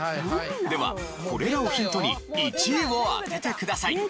ではこれらをヒントに１位を当ててください。